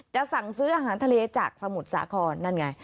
สั่งซื้ออาหารทะเลจากสมุทรสาครนั่นไง